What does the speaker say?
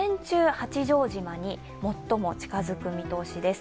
八丈島に最も近づく見通しです。